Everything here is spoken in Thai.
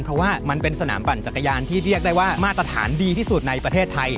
เพราะว่ามันเป็นสนามปั่นจักรยานที่เรียกได้ว่ามาตรฐานดีที่สุดในประเทศไทย